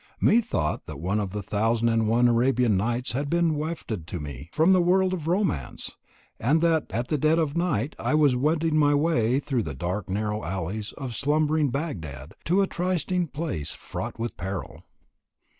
Methought that one of the thousand and one Arabian Nights had been wafted to me from the world of romance, and that at the dead of night I was wending my way through the dark narrow alleys of slumbering Bagdad to a trysting place fraught with peril.